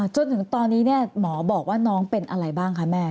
จนถึงตอนนี้หมอบอกว่าน้องเป็นอะไรบ้างคะแม่